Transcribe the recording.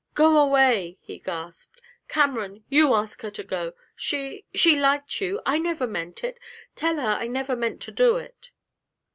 'Go away!' he gasped. 'Cameron you ask her to go. She she liked you.... I never meant it. Tell her I never meant to do it!'